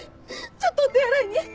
ちょっとお手洗いに。